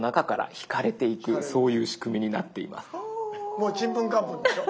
もうチンプンカンプンでしょ？